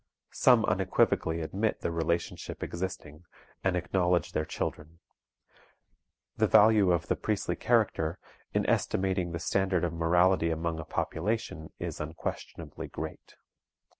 Some unequivocally admit the relationship existing, and acknowledge their children. The value of the priestly character, in estimating the standard of morality among a population is unquestionably great.